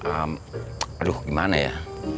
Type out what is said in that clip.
aduh gimana ya